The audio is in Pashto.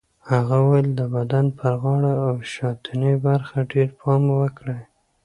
هغه وویل د بدن پر غاړه او شاتنۍ برخه ډېر پام وکړئ.